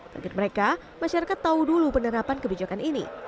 target mereka masyarakat tahu dulu penerapan kebijakan ini